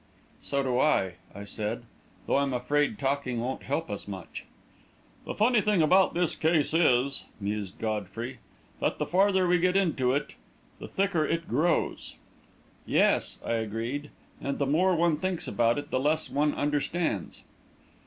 "So do I," I said; "though I'm afraid talking won't help us much." "The funny thing about this case is," mused Godfrey, "that the farther we get into it the thicker it grows." "Yes," I agreed, "and the more one thinks about it, the less one understands."